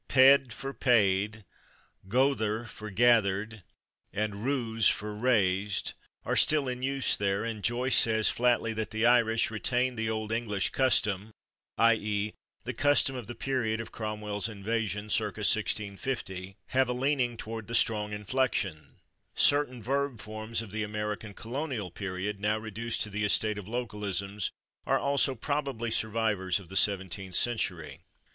/Ped/ for /paid/, /gother/ for /gathered/, and /ruz/ for /raised/ are still in use there, and Joyce says flatly that the Irish, "retaining the old English custom [/i. e./, the custom of the period of Cromwell's invasion, /circa/ 1650], have a leaning toward the strong inflection." Certain verb forms of the American colonial period, now reduced to the estate of localisms, are also probably survivors of the seventeenth century.